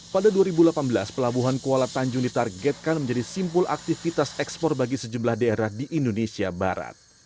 pada dua ribu delapan belas pelabuhan kuala tanjung ditargetkan menjadi simpul aktivitas ekspor bagi sejumlah daerah di indonesia barat